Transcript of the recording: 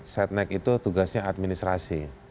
setnek itu tugasnya administrasi